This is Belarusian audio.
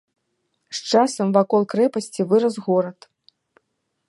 З часам вакол крэпасці вырас горад.